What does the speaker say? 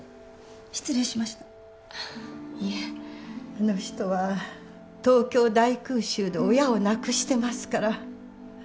あの人は東京大空襲で親を亡くしてますから。